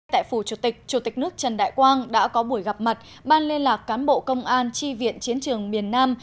tại phủ chủ tịch chủ tịch nước trần đại quang đã có buổi gặp mặt ban liên lạc cán bộ công an tri viện chiến trường miền nam